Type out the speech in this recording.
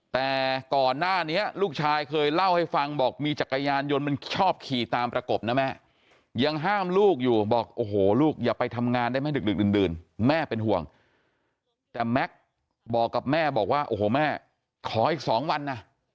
แต่ก่อนหน้านี้ลูกชายเคยเล่าให้ฟังบอกมีจักรยานยนต์มัน